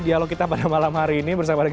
soal pembahasan omnibus law ini